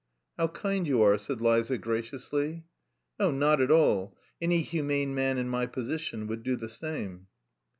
"How kind you are," said Liza graciously. "Oh, not at all. Any humane man in my position would do the same...."